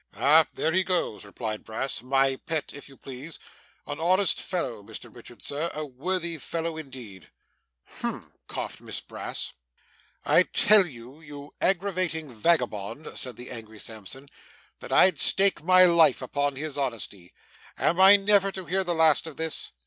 'Ah! There he goes,' replied Brass. 'My pet, if you please. An honest fellow, Mr Richard, sir a worthy fellow indeed!' 'Hem!' coughed Miss Brass. 'I tell you, you aggravating vagabond,' said the angry Sampson, 'that I'd stake my life upon his honesty. Am I never to hear the last of this?